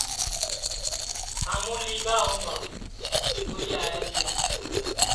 شاموں لیا ہؤگا ٻوئی آیا تیا